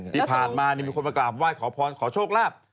ที่ผ่านมามีคนมากราบไหว้ขอพรขอโชคลาภ